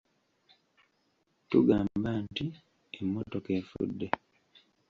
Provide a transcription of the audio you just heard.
Tugamba nti: Emmotoka efudde.